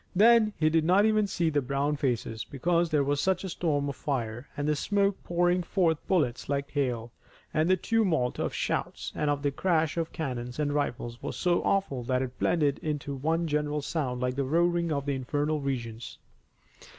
Then he did not even see the brown faces, because there was such a storm of fire and smoke pouring forth bullets like hail, and the tumult of shouts and of the crash of cannon and rifles was so awful that it blended into one general sound like the roaring of the infernal regions.